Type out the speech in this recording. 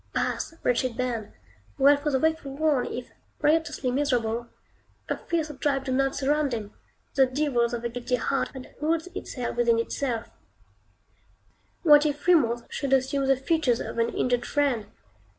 Pass, wretched band! Well for the wakeful one, if, riotously miserable, a fiercer tribe do not surround him, the devils of a guilty heart, that holds its hell within itself. What if Remorse should assume the features of an injured friend?